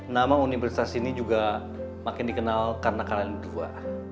nama universitas ini juga makin dikenal karena kalian dua